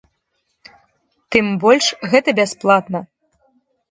Тым больш, гэта бясплатна!